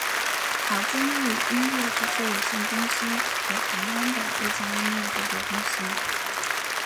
好钟意音乐制作有限公司为台湾的一家音乐制作公司。